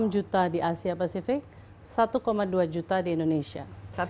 enam juta di asia pasifik satu dua juta di indonesia